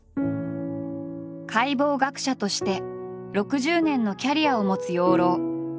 解剖学者として６０年のキャリアを持つ養老。